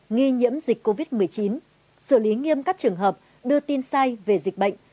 nghi nhiễm dịch covid một mươi chín xử lý nghiêm các trường hợp đưa tin sai về dịch bệnh